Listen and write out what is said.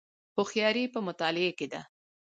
هوښیاري په مطالعې کې ده